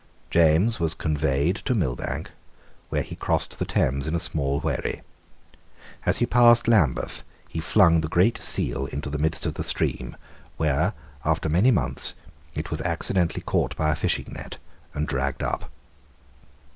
James was conveyed to Millbank, where he crossed the Thames in a small wherry. As he passed Lambeth he flung the Great Seal into the midst of the stream, where, after many months, it was accidentally caught by a fishing net and dragged up.